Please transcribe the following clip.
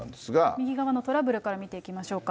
右側のトラブルから見ていきましょうか。